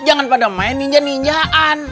jangan pada main ninjan ninjaan